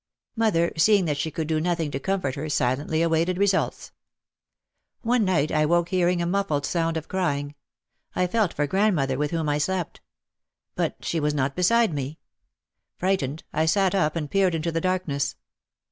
Mother, seeing that she could do nothing to comfort her, silently awaited results. One night I woke hearing a muffled sound of crying. I felt for grandmother, with whom I slept. But she was not beside me. Frightened, I sat up and peered into the darkness.